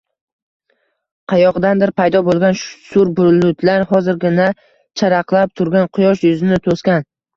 Qayoqdandir paydo boʼlgan sur bulutlar hozirgina charaqlab turgan quyosh yuzini toʼsgan